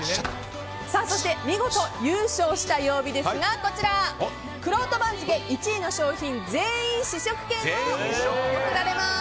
そして見事優勝した曜日はくろうと番付１位の商品全員試食券が贈られます。